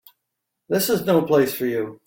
This is no place for you.